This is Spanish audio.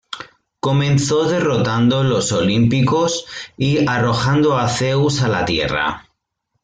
Comenzó derrotando a los olímpicos y arrojando a Zeus a la Tierra.